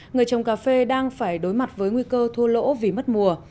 người trồng cà phê đang phải đối mặt với nguy cơ thua lỗ vì mất mùa